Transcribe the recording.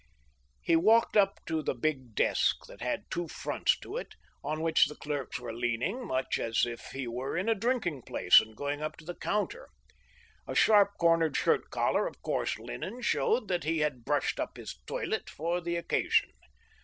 He walked up to the big desk, that had two fronts to it, on which the clerks were leaning, much as if he were in a drinking place and going up to the counter. A sharp cornered shirt collar of coarse linen, showed that he had brushed up his toilet for the occasion.